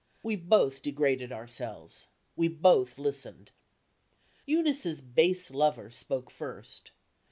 We both degraded ourselves. We both listened. Eunice's base lover spoke first.